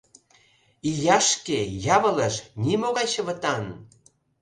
— Ияшке-явылыш, нимогай чывытан!